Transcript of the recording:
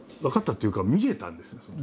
分かったっていうか見えたんですよ。